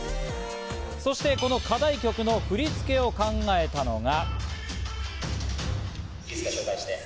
そしてこの課題曲の振り付けを考えたのが。